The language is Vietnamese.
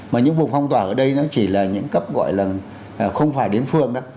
mà những vùng phong tỏa ở đây nó chỉ là những cấp gọi là không phải đến phương đó